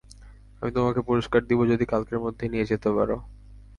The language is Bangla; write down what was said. আমি তোমাকে পুরুষ্কার দিব যদি কালকের মধ্যে নিয়ে যেতে পারো।